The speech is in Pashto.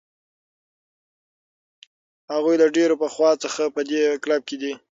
هغوی له ډېر پخوا څخه په دې کلب کې دي.